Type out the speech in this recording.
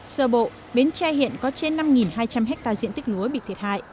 sơ bộ bến tre hiện có trên năm hai trăm linh hectare diện tích lúa bị thiệt hại